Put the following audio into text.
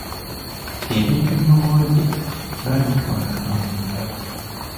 E bintu by'omulwadde baabitwalanga mu mpalo.